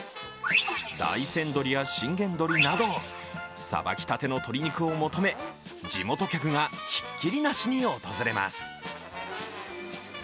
大山どりや信玄どりなど、さばきたての鶏肉を求め地元客がひっきりなしに訪れます。